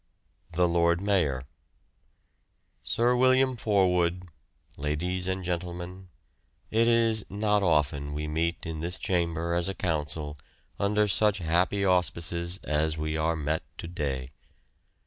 "The Lord Mayor: Sir William Forwood, ladies and gentlemen, it is not often we meet in this chamber as a Council under such happy auspices as we are met to day.